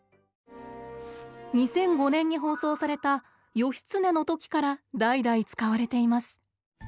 ２００５年に放送された「義経」の時から代々使われています。